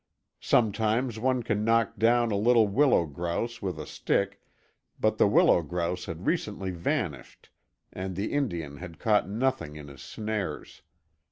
Sometimes one can knock down a little willow grouse with a stick, but the willow grouse had recently vanished and the Indian had caught nothing in his snares.